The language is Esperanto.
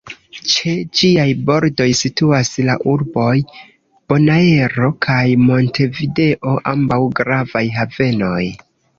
Ĉe ĝiaj bordoj situas la urboj Bonaero kaj Montevideo, ambaŭ gravaj havenoj.